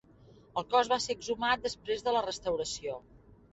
El cos va ser exhumat després de la restauració.